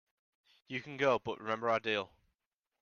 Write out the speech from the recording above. You can go, but remember our deal.